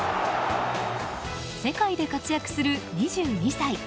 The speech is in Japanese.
世界で活躍する２２歳。